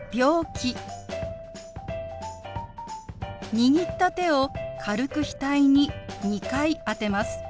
握った手を軽く額に２回当てます。